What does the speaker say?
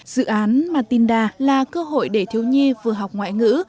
dự án matinda là cơ hội để thiếu nhi vừa học ngoại ngữ